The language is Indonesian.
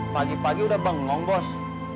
pagi pagi udah bengong bos